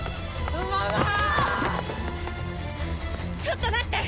ちょっと待って！